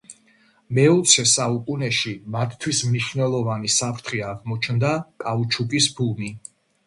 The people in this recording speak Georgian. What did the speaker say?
მეოცე საუკუნეში, მათთვის მნიშვნელოვანი საფრთხე აღმოჩნდა კაუჩუკის ბუმი.